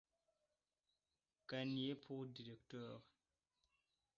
Gagnier pour directeur.